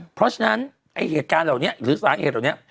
เพราะฉะนั้นเอกการเหล่านี้หรือสารเอกการเหล่านี้